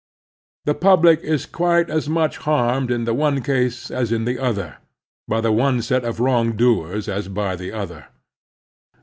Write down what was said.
The public is quite as much harmed m the one case as in the other, by the one set of wrong doers as by the other.